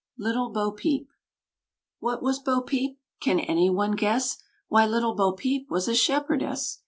LITTLE BO BEEP. What was Bo Peep? Can anyone guess? Why, little Bo Peep was a shepherdess!